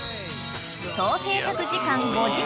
［総製作時間５時間］